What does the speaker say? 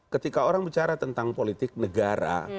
ketika orang bicara tentang politik negara